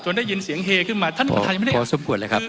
จนได้ยินเสียงเฮขึ้นมาท่านประธานยังไม่ได้อ่าน